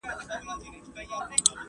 د ژوند ساتنه د شریعت مقصد دی.